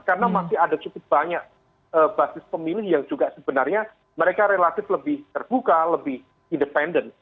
karena masih ada cukup banyak basis pemilih yang juga sebenarnya mereka relatif lebih terbuka lebih independen